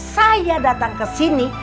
saya datang kesini